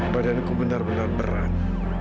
badan ku benar benar berat